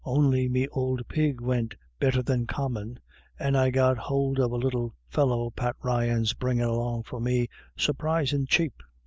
On'y me ould pig wint better than common, and I got a hould of the little fellow Pat Ryan's bringin' along for me surprisin' chape.